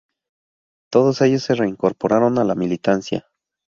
Todos ellos se reincorporaron a la militancia.